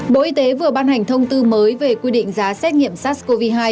bộ y tế vừa ban hành thông tư mới về quy định giá xét nghiệm sars cov hai